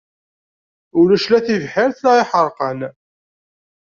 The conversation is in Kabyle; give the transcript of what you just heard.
Ulac la tibḥirt la iḥerqan.